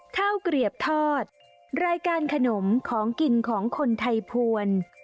ข้าวเกลียบทอดรายการขนมของกินของคนไทยพวน